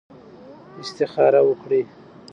استخاره وکړئ.